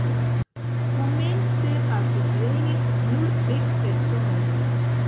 Komence partoprenis nur dek personoj.